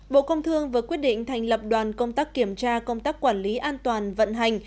bộ công thương vừa quyết định thành lập đoàn công tác kiểm tra công tác quản lý an toàn vận hành